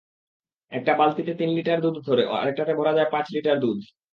একটা বালতিতে তিন লিটার দুধ ধরে, আরেকটাতে ভরা যায় পাঁচ লিটার দুধ।